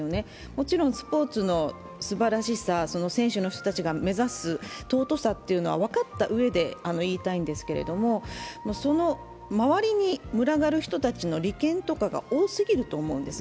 もちろんスポーツのすばらしさ、選手の人たちが目指す尊さというのは分かったうえで言いたいんですけど、その周りに群がる人たちの利権とかが多すぎると思うんです。